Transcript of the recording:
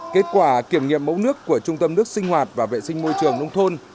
kết quả kiểm nghiệm mẫu nước của trung tâm nước sinh hoạt và vệ sinh môi trường nông thôn